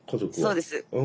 そうです。